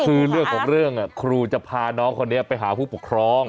คือเรื่องของเรื่องครูจะพาน้องคนนี้ไปหาผู้ปกครอง